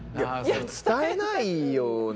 伝えないよね。